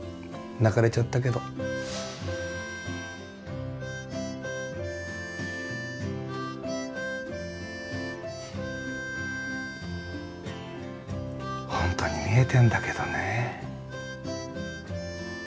泣かれちゃったけどホントに見えてんだけどね